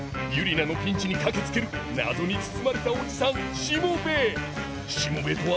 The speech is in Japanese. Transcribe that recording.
ユリナのピンチに駆けつける謎に包まれたおじさんしもべえ。